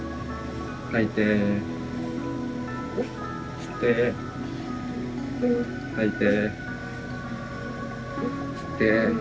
吸って吐いて。